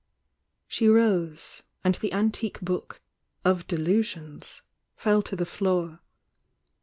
She rose, a id the antique book "Of Delusions" fell to the floor.